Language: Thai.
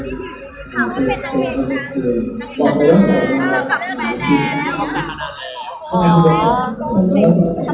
หมดมีข่าวว่าเป็นนางเองนะ